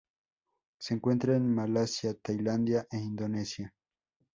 Se encuentra en Malasia, Tailandia e Indonesia.